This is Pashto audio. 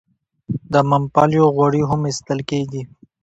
د ممپلیو غوړي هم ایستل کیږي.